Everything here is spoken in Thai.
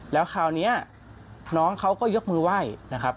แล้วคราวนี้น้องเขาก็ยกมือไหว้นะครับ